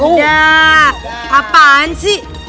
beda apaan sih